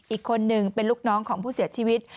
อีกคนนึงเป็นลูกน้องของผู้เสียชีวิต